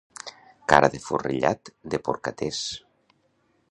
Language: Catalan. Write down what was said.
Cara de forrellat de porcaters.